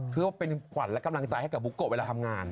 คือว่าเป็นขวัญและกำลังใจให้กับบุโกะเวลาทำงาน